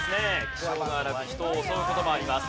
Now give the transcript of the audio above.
気性が荒く人を襲う事もあります。